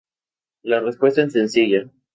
La respuesta es sencilla.